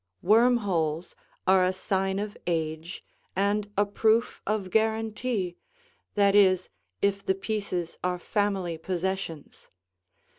Worm holes are a sign of age and a proof of guarantee, that is, if the pieces are family possessions.